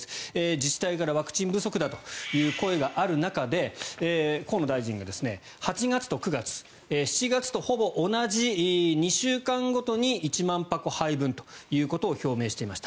自治体からワクチン不足だという声がある中で河野大臣が８月と９月７月とほぼ同じ、２週間ごとに１万箱配分ということを表明していました。